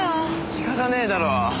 仕方ねぇだろう。